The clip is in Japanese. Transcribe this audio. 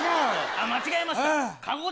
あっ間違えました。